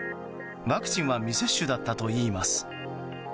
ワクチンは未接種だったといいます。